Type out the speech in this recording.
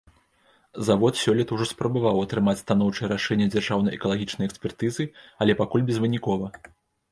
Завод сёлета ўжо спрабаваў атрымаць станоўчае рашэнне дзяржаўнай экалагічнай экспертызы, але пакуль безвынікова.